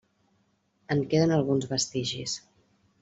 En queden alguns vestigis.